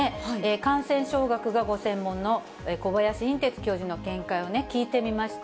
感染症学がご専門の小林寅てつ教授の見解を聞いてみました。